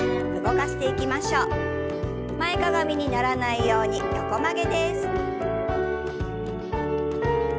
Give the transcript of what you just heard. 前かがみにならないように横曲げです。